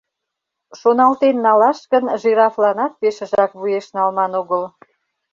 Шоналтен налаш гын, жирафланат пешыжак вуеш налман огыл.